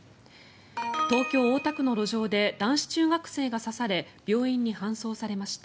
東京・大田区の路上で男子中学生が刺され病院に搬送されました。